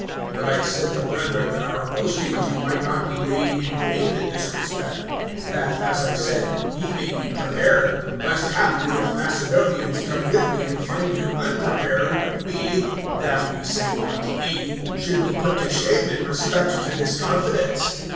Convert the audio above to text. (3)But I sent the brethren, that our boasting of you might not be made in vain in this respect; that, as I said, ye may be prepared; (4)lest haply, if Macedonians come with me, and find you unprepared, we (that we say not, ye) should be put to shame in respect to this confidence.